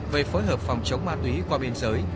về phối hợp phòng chống ma túy qua biên giới